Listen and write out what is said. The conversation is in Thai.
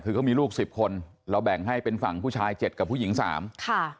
คือเขามีลูกสิบคนเราแบ่งให้เป็นฝั่งผู้ชายเจ็ดกับผู้หญิงสามค่ะ